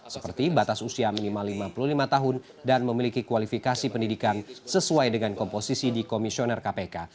seperti batas usia minimal lima puluh lima tahun dan memiliki kualifikasi pendidikan sesuai dengan komposisi di komisioner kpk